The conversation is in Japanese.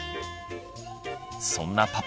そんなパパ。